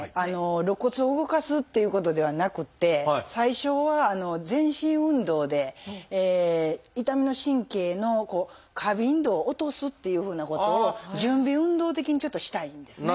肋骨を動かすっていうことではなくて最初は全身運動で痛みの神経の過敏度を落とすっていうふうなことを準備運動的にちょっとしたいんですね。